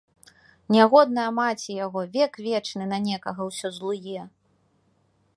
Нягодная маці яго, век вечны на некага ўсё злуе.